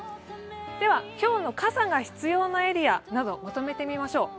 今日の傘が必要なエリアなどまとめてみましょう。